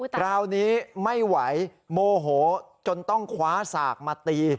คราวนี้ไม่ไหวโมโหจนต้องคว้าสากมาตี